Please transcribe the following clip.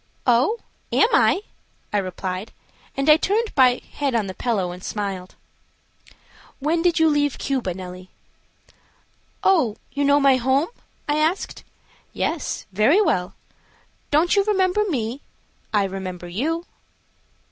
"Oh, am I?" I replied, and I turned my head on the pillow and smiled. "When did you leave Cuba, Nellie?" "Oh, you know my home?" I asked. "Yes, very well. Don't you remember me? I remember you."